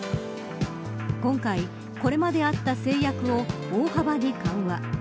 今回これまであった制約を大幅に緩和。